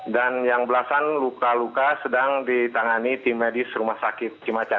dan yang belasan luka luka sedang ditangani tim medis rumah sakit